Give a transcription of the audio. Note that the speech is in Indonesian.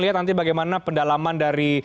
lihat nanti bagaimana pendalaman dari